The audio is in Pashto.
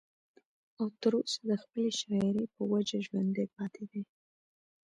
او تر اوسه د خپلې شاعرۍ پۀ وجه ژوندی پاتې دی